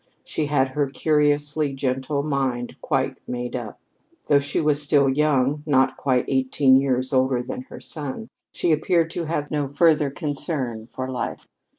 She had her curiously gentle mind quite made up. Though she was still young, not quite eighteen years older than her son, she appeared to have no further concern for life.